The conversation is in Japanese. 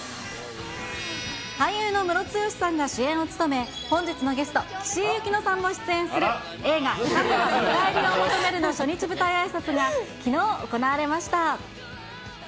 俳優のムロツヨシさんが主演を務め、本日のゲスト、岸井ゆきのさんも出演する映画、神は見返りを求めるの初日舞台あいさつが、きのう行われました。